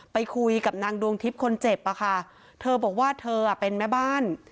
ไปคุยกับนางดวงทิพย์คนเจ็บอะค่ะเธอบอกว่าเธอเป็นแม่บ้าน